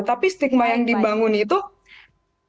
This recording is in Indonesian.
tapi stigma yang dibangun itu bukanlah stigma yang terus menerus bayang